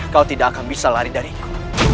kau tidak akan bisa lari dariku